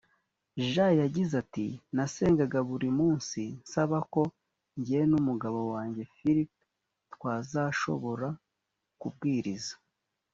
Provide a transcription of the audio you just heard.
jean yagize ati nasengaga buri munsi nsaba ko jye n umugabo wanjye philip twazashobora kubwiriza.